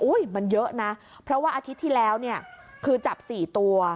มันเยอะนะเพราะว่าอาทิตย์ที่แล้วเนี่ยคือจับ๔ตัว